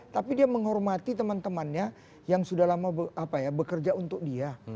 tapi dia menghormati teman temannya yang sudah lama bekerja untuk dia